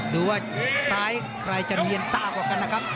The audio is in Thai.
ดูว่าซ้ายใครจะเนียนตากว่ากันนะครับ